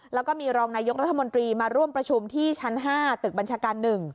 แล้วก็มีรองนายกรัฐมนตรีมาร่วมประชุมที่ชั้น๕ตึกบัญชาการ๑